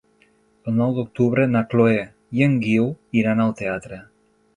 El nou d'octubre na Chloé i en Guiu iran al teatre.